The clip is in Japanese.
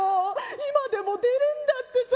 今でも出るんだってさ。